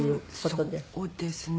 そうですね。